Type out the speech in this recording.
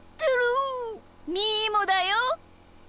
みーもだよ！